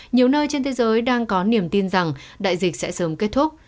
nhiều nơi trên thế giới đang có niềm tin rằng đại dịch sẽ sớm kết thúc